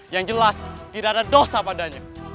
yang jelas tidak ada dosa padanya